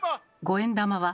「五円玉は」。